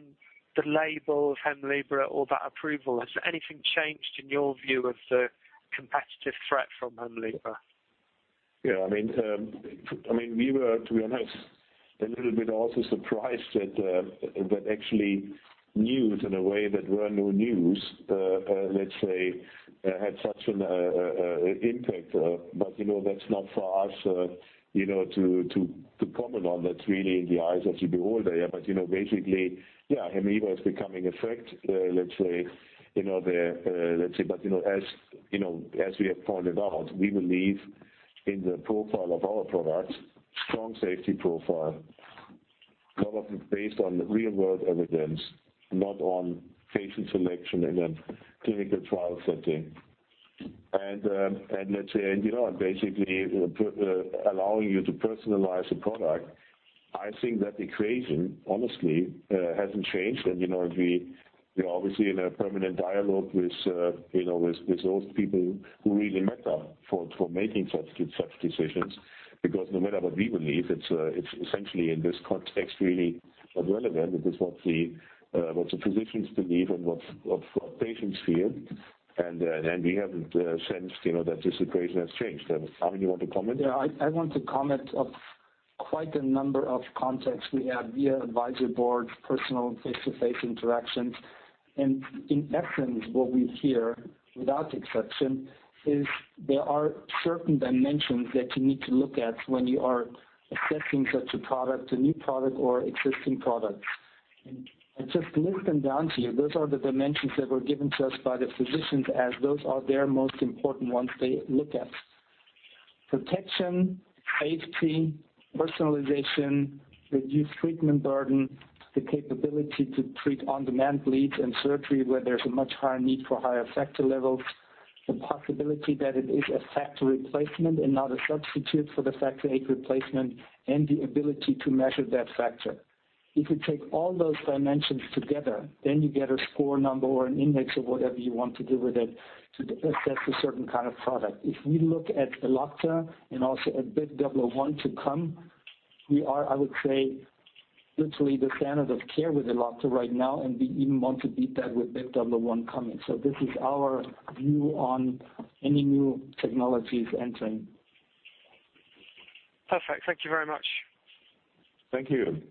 Speaker 8: the label of Hemlibra or that approval, has anything changed in your view of the competitive threat from Hemlibra?
Speaker 2: Yeah. We were, to be honest, a little bit also surprised that actually news in a way that were no news, let's say, had such an impact. That's not for us to comment on. That's really in the eyes of the beholder. Basically, yeah, Hemlibra is becoming effect, let's say. As we have pointed out, we believe in the profile of our product, strong safety profile. A lot of it based on real-world evidence, not on patient selection in a clinical trial setting. Let's say, and basically allowing you to personalize a product. I think that equation, honestly, hasn't changed. We're obviously in a permanent dialogue with those people who really matter for making such decisions. Because no matter what we believe, it's essentially, in this context, really irrelevant. It is what the physicians believe and what patients feel. We haven't sensed that this equation has changed. Armin, you want to comment?
Speaker 3: Yeah, I want to comment. Quite a number of contacts we have via advisory boards, personal face-to-face interactions. In essence, what we hear, without exception, is there are certain dimensions that you need to look at when you are assessing such a product, a new product or existing products. I just list them down to you. Those are the dimensions that were given to us by the physicians as those are their most important ones they look at. Protection, safety, personalization, reduced treatment burden, the capability to treat on-demand bleeds and surgery where there's a much higher need for higher factor levels, the possibility that it is a factor replacement and not a substitute for the factor VIII replacement, and the ability to measure that factor. If you take all those dimensions together, you get a score number or an index or whatever you want to do with it to assess a certain kind of product. If we look at Elocta and also at BIVV001 to come, we are, I would say, literally the standard of care with Elocta right now, and we even want to beat that with BIVV001 coming. This is our view on any new technologies entering.
Speaker 8: Perfect. Thank you very much.
Speaker 2: Thank you.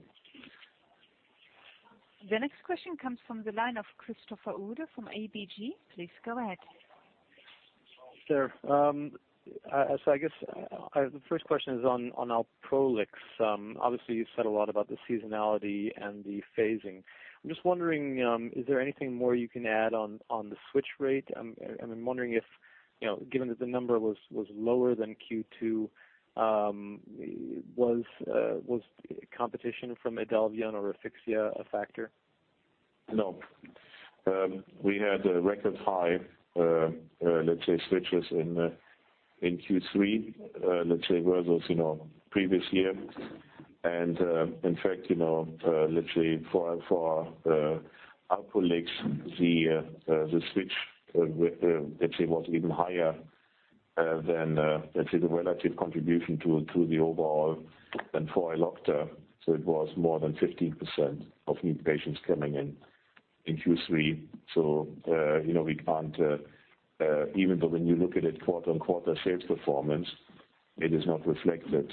Speaker 1: The next question comes from the line of Christopher from ABG. Please go ahead.
Speaker 9: Sure. I guess, the first question is on Alprolix. Obviously, you've said a lot about the seasonality and the phasing. I'm just wondering, is there anything more you can add on the switch rate? I'm wondering if, given that the number was lower than Q2, was competition from IDELVION or Refixia a factor?
Speaker 2: No. We had a record high, let's say, switches in Q3, let's say, versus previous year. In fact, let's say for Alprolix, the switch, let's say, was even higher than, let's say, the relative contribution to the overall than for Elocta. So it was more than 15% of new patients coming in in Q3. Even though when you look at it quarter-on-quarter sales performance, it is not reflected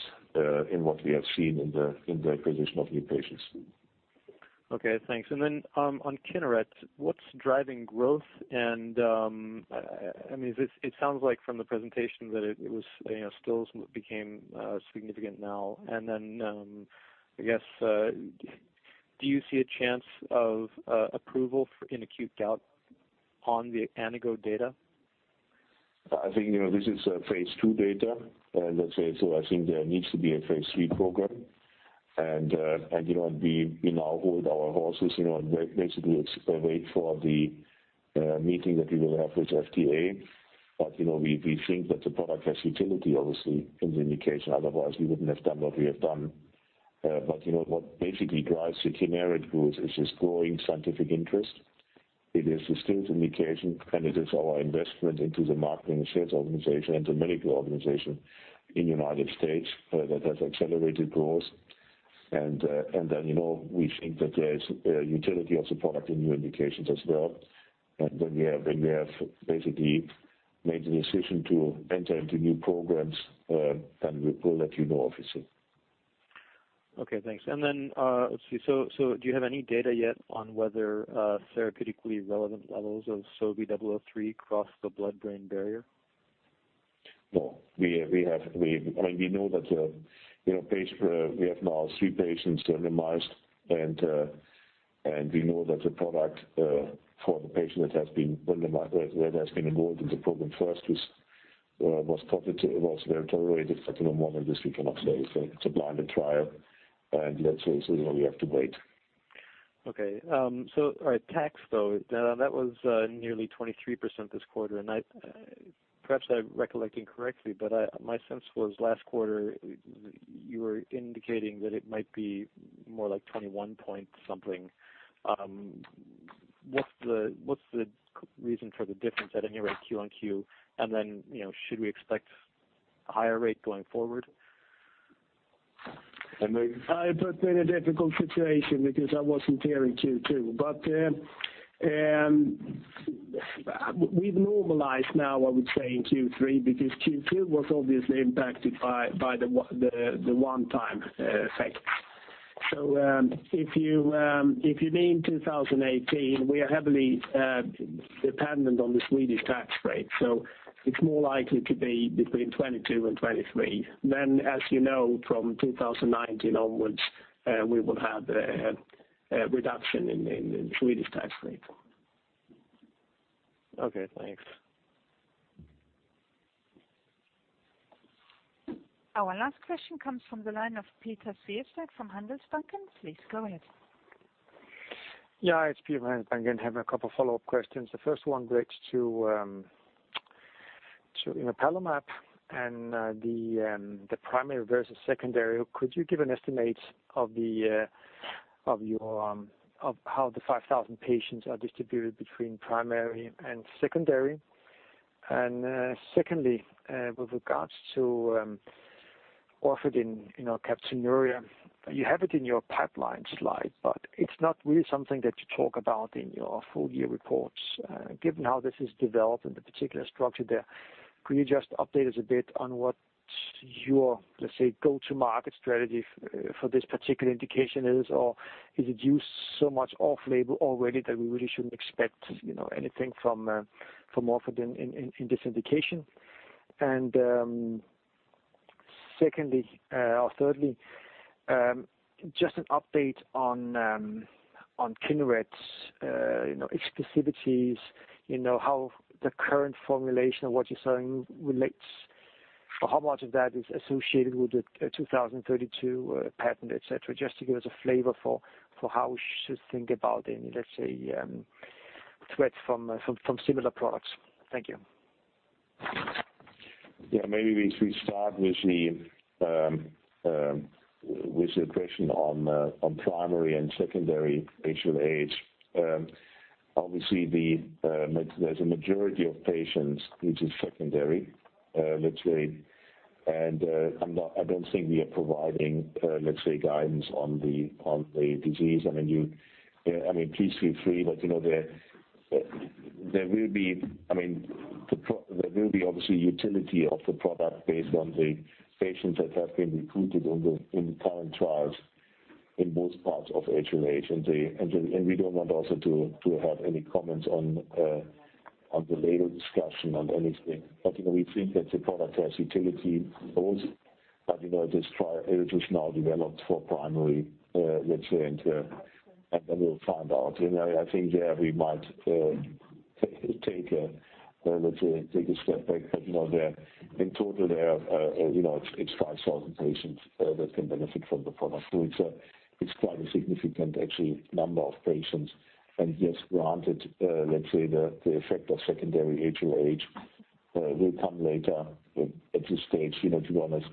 Speaker 2: in what we have seen in the acquisition of new patients.
Speaker 9: Okay, thanks. On Kineret, what's driving growth and, it sounds like from the presentation that it still became significant now. Do you see a chance of approval for in acute gout on the anaGO data?
Speaker 2: I think, this is a phase II data. Let's say, I think there needs to be a phase III program. We now hold our horses, and basically wait for the meeting that we will have with FDA. We think that the product has utility, obviously, in the indication, otherwise we wouldn't have done what we have done. What basically drives the Kineret growth is growing scientific interest. It is a distinct indication, and it is our investment into the marketing and sales organization and the medical organization in the U.S. that has accelerated growth. We think that there is utility of the product in new indications as well. When we have basically made the decision to enter into new programs, we will let you know, obviously.
Speaker 9: Okay, thanks. Let's see. Do you have any data yet on whether therapeutically relevant levels of SOBI003 cross the blood-brain barrier?
Speaker 2: No. We know that we have now three patients randomized, and we know that the product for the patient that has been enrolled in the program first was well-tolerated. At the moment, this we cannot say. It's a blinded trial, and let's say, we have to wait.
Speaker 9: Okay. All right, tax, though. That was nearly 23% this quarter. Perhaps I'm recollecting correctly, but my sense was last quarter you were indicating that it might be more like 21 point something. What's the reason for the difference at any rate Q on Q? Should we expect a higher rate going forward?
Speaker 2: Henrik?
Speaker 4: You've put me in a difficult situation because I wasn't here in Q2. We've normalized now, I would say, in Q3, because Q2 was obviously impacted by the one-time effect. If you mean 2018, we are heavily dependent on the Swedish tax rate, so it's more likely to be between 22 and 23. As you know, from 2019 onwards, we will have a reduction in Swedish tax rate.
Speaker 9: Okay, thanks.
Speaker 1: Our last question comes from the line of Peter from Handelsbanken. Please go ahead.
Speaker 6: It's Peter from Handelsbanken. I have a couple follow-up questions. The first one relates to emapalumab and the primary versus secondary. Could you give an estimate of how the 5,000 patients are distributed between primary and secondary? Secondly, with regards to Orfadin alkaptonuria. You have it in your pipeline slide, but it's not really something that you talk about in your full year reports. Given how this is developed and the particular structure there, could you just update us a bit on what your, let's say, go-to-market strategy for this particular indication is? Or is it used so much off-label already that we really shouldn't expect anything from Orfadin in this indication? Thirdly, just an update on Kineret, exclusivities, how the current formulation of what you're selling relates, or how much of that is associated with the 2032 patent, et cetera, just to give us a flavor for how we should think about, let's say, threats from similar products. Thank you.
Speaker 2: Maybe we should start with the question on primary and secondary HLH. Obviously, there's a majority of patients which is secondary, let's say, I don't think we are providing, let's say, guidance on the disease. Please feel free, but there will be, obviously, utility of the product based on the patients that have been recruited in the current trials in both parts of HLH. We don't want also to have any comments on the label discussion on anything. We think that the product has utility both. This trial, it is now developed for primary, let's say, we'll find out. I think there we might take a step back, but in total there, it's 5,000 patients that can benefit from the product. It's quite a significant, actually, number of patients. Yes, granted, let's say the effect of secondary HLH will come later at this stage. To be honest,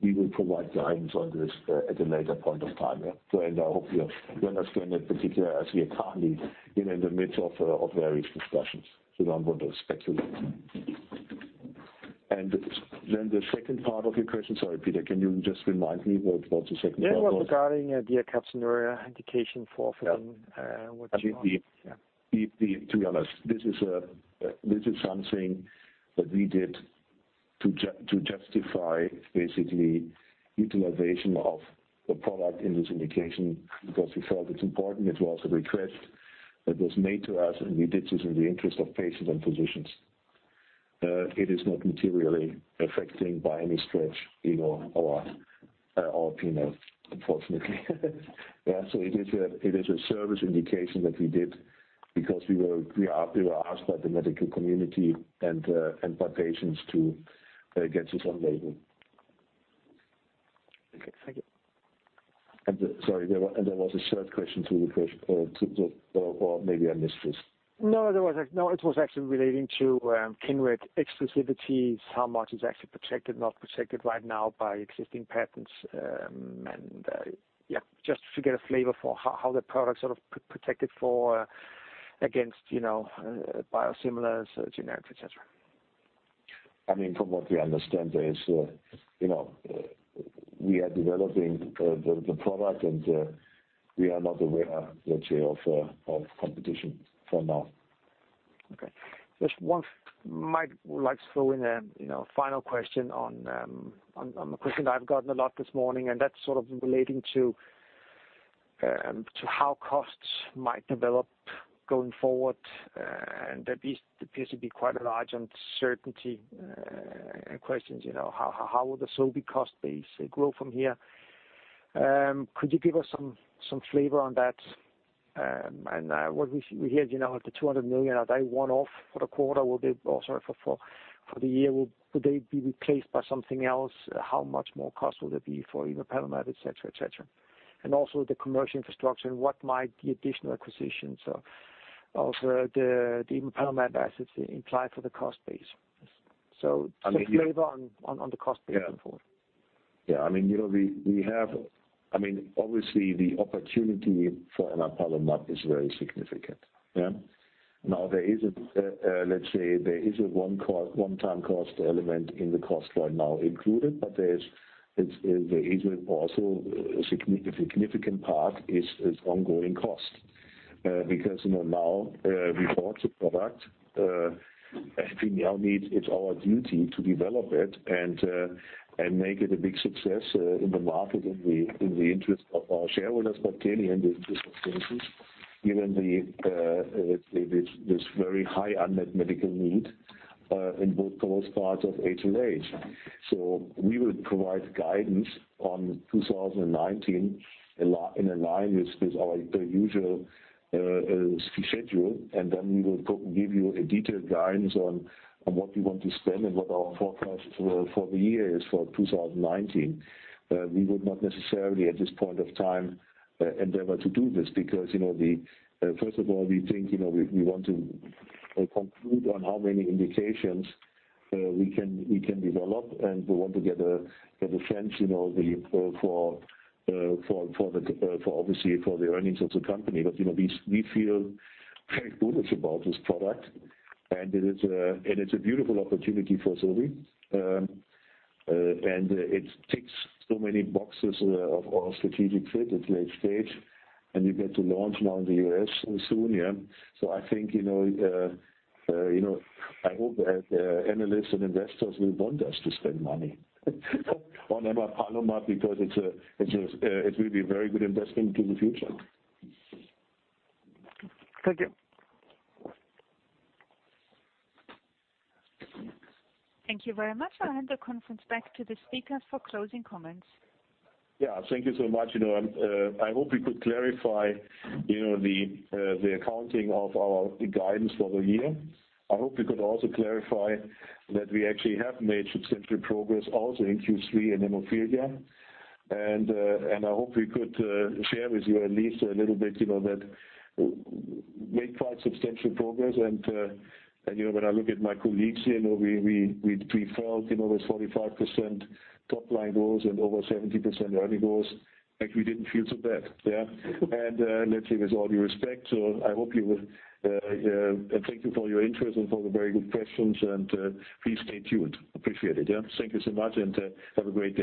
Speaker 2: we will provide guidance on this at a later point of time. I hope you understand that, particularly as we are currently in the midst of various discussions, so I don't want to speculate. The second part of your question, sorry, Peter, can you just remind me what the second part was?
Speaker 6: It was regarding the alkaptonuria indication for
Speaker 2: Yeah.
Speaker 6: What you are.
Speaker 2: To be honest, this is something that we did to justify basically utilization of the product in this indication because we felt it's important. It was a request that was made to us, and we did this in the interest of patients and physicians. It is not materially affecting by any stretch our P&L, unfortunately. It is a service indication that we did because we were asked by the medical community and by patients to get this on label.
Speaker 6: Okay. Thank you.
Speaker 2: Sorry, there was a third question to the first, or maybe I missed this.
Speaker 6: No, it was actually relating to Kineret exclusivities, how much is actually protected, not protected right now by existing patents, and yeah, just to get a flavor for how the product's sort of protected against biosimilars, generics, et cetera.
Speaker 2: From what we understand, we are developing the product, and we are not aware literally of competition for now.
Speaker 6: Okay. I'd like to throw in a final question on a question I've gotten a lot this morning, relating to how costs might develop going forward. That appears to be quite a large uncertainty, and the question is, how will the Sobi cost base grow from here? Could you give us some flavor on that? What we heard, the 200 million, are they one-off for the quarter? Or, sorry, for the year, would they be replaced by something else? How much more cost would there be for emapalumab, et cetera? Also the commercial infrastructure and what might the additional acquisitions of the emapalumab assets imply for the cost base? Some flavor on the cost base going forward.
Speaker 2: Obviously, the opportunity for emapalumab is very significant. Let's say there is a one-time cost element in the cost right now included, but there is also a significant part is ongoing cost. Now we bought the product, and we now need, it is our duty to develop it and make it a big success in the market in the interest of our shareholders, but clearly in the interest of patients, given this very high unmet medical need in both those parts of HLH. We will provide guidance on 2019 in line with our usual schedule, and then we will give you a detailed guidance on what we want to spend and what our forecast for the year is for 2019. We would not necessarily at this point in time endeavor to do this because, first of all, we think we want to conclude on how many indications we can develop, and we want to get a sense for obviously for the earnings of the company. We feel very bullish about this product, and it is a beautiful opportunity for Sobi. It ticks so many boxes of our strategic fit at late stage, and we get to launch now in the U.S. soon. I hope that analysts and investors will want us to spend money on emapalumab because it is really a very good investment into the future.
Speaker 6: Thank you.
Speaker 1: Thank you very much. I'll hand the conference back to the speakers for closing comments.
Speaker 2: Yeah. Thank you so much. I hope we could clarify the accounting of our guidance for the year. I hope we could also clarify that we actually have made substantial progress also in Q3 in hemophilia. I hope we could share with you at least a little bit that we made quite substantial progress and when I look at my colleagues here, we felt those 45% top-line goals and over 70% earning goals, actually didn't feel so bad. Yeah. Let's say with all due respect. Thank you for your interest and for the very good questions and please stay tuned. Appreciate it. Yeah. Thank you so much and have a great day